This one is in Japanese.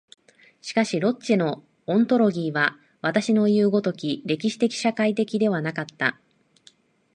しかしロッチェのオントロギーは私のいう如き歴史的社会的ではなかった。